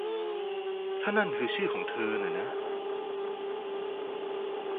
ถ้านั่นคือชื่อของเธอน่ะนะ